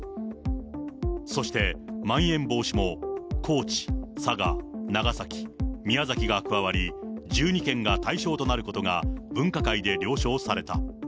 そして、まん延防止も高知、佐賀、長崎、宮崎が加わり、１２県が対象となることが、分科会で了承された。